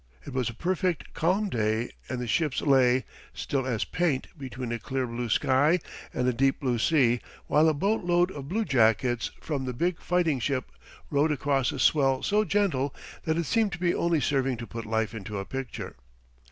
It was a perfect, calm day, and the ships lay, still as paint between a clear blue sky and a deep blue sea while a boat load of bluejackets from the big fighting ship rowed across a swell so gentle that it seemed to be only serving to put life into a picture.